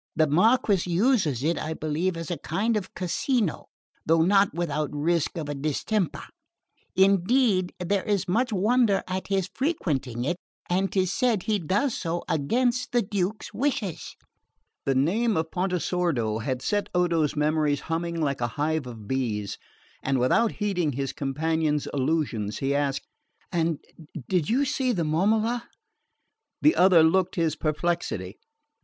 The Marquess uses it, I believe, as a kind of casino; though not without risk of a distemper. Indeed, there is much wonder at his frequenting it, and 'tis said he does so against the Duke's wishes." The name of Pontesordo had set Odo's memories humming like a hive of bees, and without heeding his companion's allusions he asked "And did you see the Momola?" The other looked his perplexity.